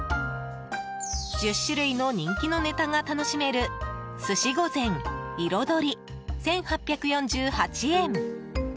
１０種類の人気のネタが楽しめる寿司御膳「彩」、１８４８円。